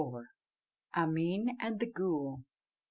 AMEEN AND THE GHOOL.